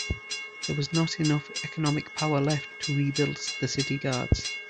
There was not enough economic power left to rebuild the city guards.